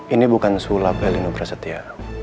ini bukan sulap elinobraset ya